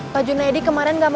pak junaidi kemarin nggak masuk